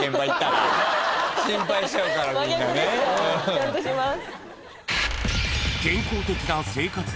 ちゃんとします。